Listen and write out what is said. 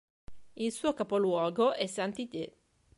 Il suo capoluogo è Saint-Tite.